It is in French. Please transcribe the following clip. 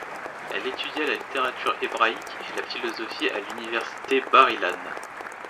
Elle étudia la littérature hébraïque et la philosophie à l'université Bar-Ilan.